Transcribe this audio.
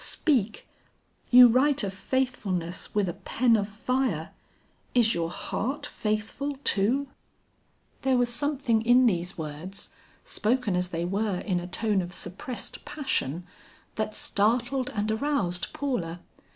Speak; you write of faithfulness with a pen of fire, is your heart faithful too?" There was something in these words, spoken as they were in a tone of suppressed passion, that startled and aroused Paula.